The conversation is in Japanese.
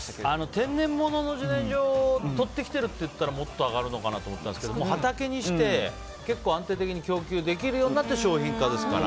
天然物の自然薯とってきているっていったらもっと上がるのかなと思ったんですけど畑にして、安定的に供給できるようになって商品化ですから。